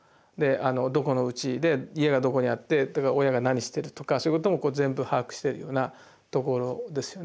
どこのうちで家がどこにあって親が何してるとかそういうことも全部把握してるようなところですよね。